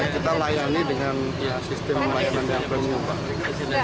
kita layani dengan sistem layanan yang premium